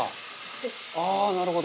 「ああなるほど！」